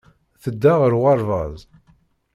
Tedda ɣer uɣerbaz.